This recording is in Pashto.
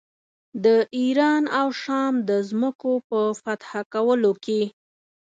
د ایران او شام د ځمکو په فتح کولو کې.